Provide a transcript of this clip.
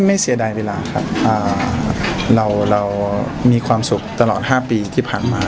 เสียดายเวลาครับเราเรามีความสุขตลอด๕ปีที่ผ่านมา